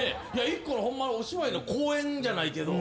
ホンマにお芝居の公演じゃないけど。